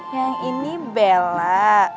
yang ini bella